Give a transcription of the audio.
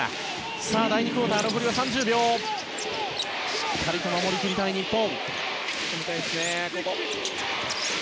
しっかりと守り切りたい日本。